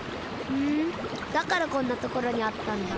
ふんだからこんなところにあったんだ。